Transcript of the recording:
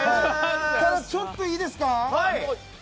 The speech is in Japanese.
ちょっといいですか？